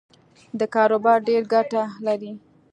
دا کاروبار ډېره ګټه لري